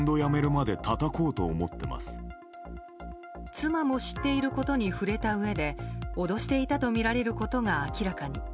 妻も知っていることに触れたうえで脅していたとみられることが明らかに。